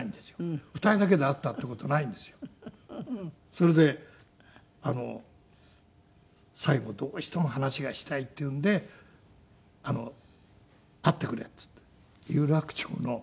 それで最後どうしても話がしたいっていうんで「会ってくれ」って言って有楽町の。